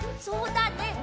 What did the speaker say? そうだね。